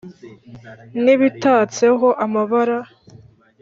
n’ibitatseho amabara